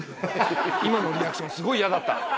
今のリアクションすごい嫌だった。